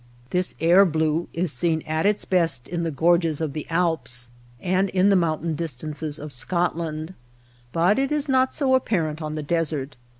This air blue is seen at its best in the gorges of the Alps, and in the mountain distances of Scotland ; but it is not so apparent on the desert.